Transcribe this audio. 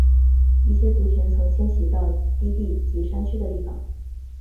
一些族群曾迁徙到低地及山区的地方。